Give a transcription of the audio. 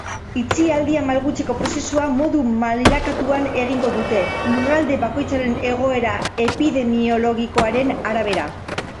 Itxialdia malgutzeko prozesua modu mailakatuan egingo dute, lurralde bakoitzaren egoera epidemiologikoaren arabera.